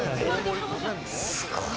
すごい！